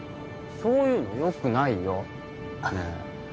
そういうのよくないよねえ